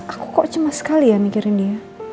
aku kok cemas sekali ya mikirin dia